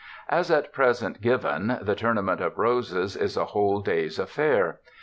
As at present given, the Tournament of Roses is a whole day's affair.